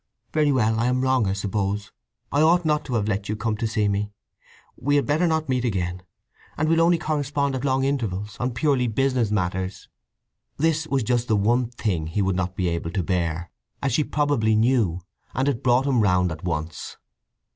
"Very well—I am wrong, I suppose! I ought not to have let you come to see me! We had better not meet again; and we'll only correspond at long intervals, on purely business matters!" This was just the one thing he would not be able to bear, as she probably knew, and it brought him round at once.